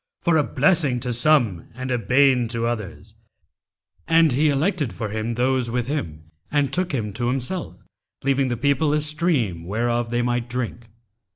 for a blessing to some and a bane to others; and He elected for him those with him and took him to Himself, leaving the people a stream whereof they might drink.